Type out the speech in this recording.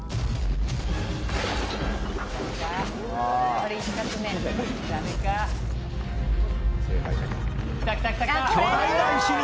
これ、１作目。